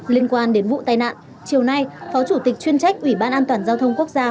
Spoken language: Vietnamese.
liên quan đến vụ tai nạn chiều nay phó chủ tịch chuyên trách ủy ban an toàn giao thông quốc gia